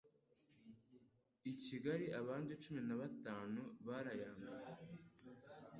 I Kigali abandi cumi nabantanu barayandura